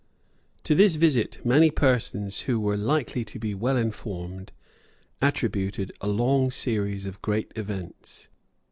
To this visit many persons who were likely to be well informed attributed a long series of great events.